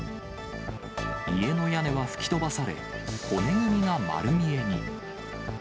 家の屋根は吹き飛ばされ、骨組みがまる見えに。